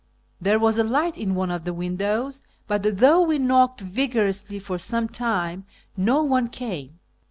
There was a light in one of the windows, but, though we knocked vigorously for some time, no one came.